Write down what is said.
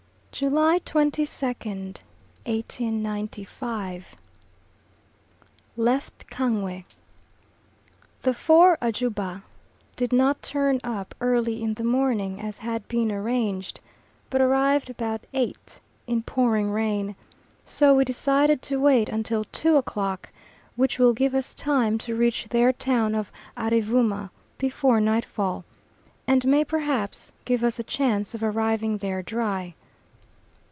July 22nd, 1895. Left Kangwe. The four Ajumba did not turn up early in the morning as had been arranged, but arrived about eight, in pouring rain, so decided to wait until two o'clock, which will give us time to reach their town of Arevooma before nightfall, and may perhaps give us a chance of arriving there dry.